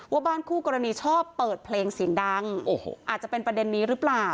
ว่าบ้านคู่กรณีชอบเปิดเพลงเสียงดังโอ้โหอาจจะเป็นประเด็นนี้หรือเปล่า